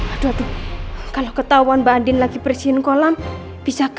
aduh aduh kalau ketahuan mbak andin lagi bersihin kolam bisa